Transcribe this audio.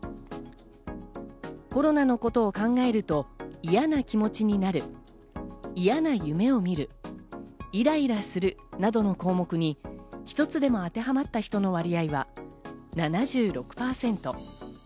コロナのことを考えると嫌な気持ちになる、嫌な夢を見る、イライラするなどの項目に一つでも当てはまった人の割合は７６％。